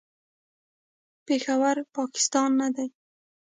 پېښور، پاکستان نه دی.